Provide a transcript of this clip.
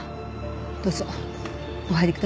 どうぞお入りください。